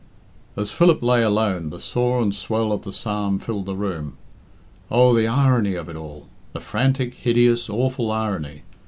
As Philip lay alone the soar and swell of the psalm filled the room. Oh, the irony of it all! The frantic, hideous, awful irony!